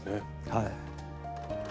はい。